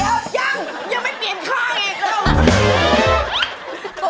เดี๋ยวยังยังไม่เปลี่ยนข้างอีกแล้ว